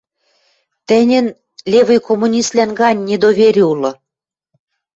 Тӹньӹн левый коммуниствлӓн гань недовери улы.